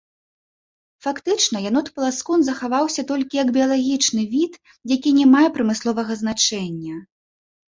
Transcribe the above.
Фактычна янот-паласкун захаваўся толькі як біялагічны від, які не мае прамысловага значэння.